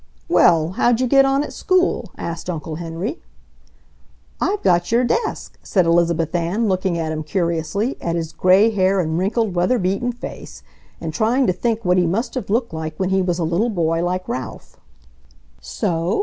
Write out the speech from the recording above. "Well, how'd you get on at school?" asked Uncle Henry. "I've got your desk," said Elizabeth Ann, looking at him curiously, at his gray hair and wrinkled, weather beaten face, and trying to think what he must have looked like when he was a little boy like Ralph. "So?"